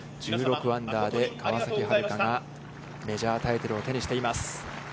１６アンダーで川崎春花がメジャータイトルを手にしています。